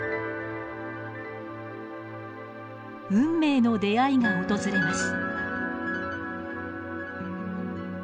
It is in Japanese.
運命の出会いが訪れます。